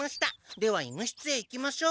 では医務室へ行きましょう。